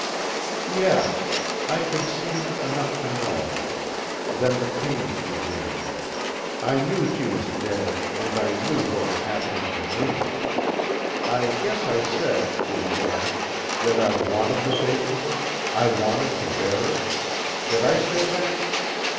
"Yes. I could see enough to know. Then the pains began. I knew she was dead, and I knew what was happening to me. I guess I said, didn't I, that I'd wanted the baby, I wanted to bear it? Did I say that?"